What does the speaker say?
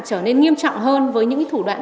trở nên nghiêm trọng hơn với những thủ đoạn